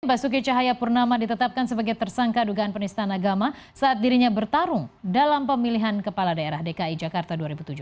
basuki cahaya purnama ditetapkan sebagai tersangka dugaan penistaan agama saat dirinya bertarung dalam pemilihan kepala daerah dki jakarta dua ribu tujuh belas